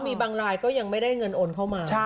มีบางรายก็ยังไม่ได้เงินโอนเข้ามา